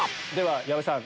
矢部さん